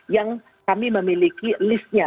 yang kami memiliki listnya